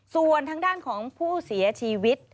ส่วนทางด้านของผู้เสียชีวิต